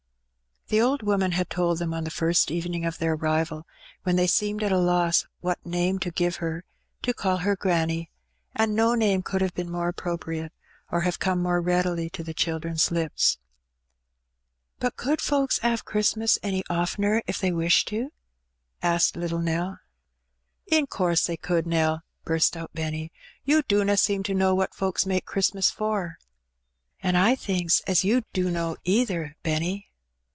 ^^ The old woman had told them on the first evening of their arrival, when they seemed at a loss what name to give her, to call her granny; and no name could have been more appropriate, or have come more readily to the children's Ups. " But could folks 'ave Christmas any oftener if they wished to?'* asked Httle Nell. 56 Her Benny. "In course they could, Nell/^ burst out Benny. "You dunna seem to know what folks make Christmas for.'' " An' I thinks as you dunno either, Benny.'